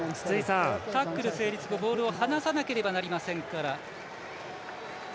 タックル成立後、ボールを放さなければなりません。